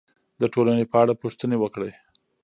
د ټولنې په اړه پوښتنې وکړئ.